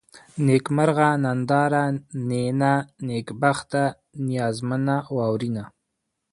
نېکمرغه ، ننداره ، نينه ، نېکبخته ، نيازمنه ، واورېنه